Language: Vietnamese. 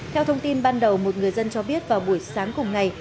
theo thông tin ban đầu một người dân cho biết vào buổi sáng cùng ngày